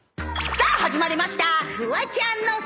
さあ始まりました！